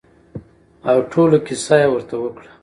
او ټوله کېسه يې ورته وکړه.